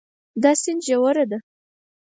دا سیند ژور ده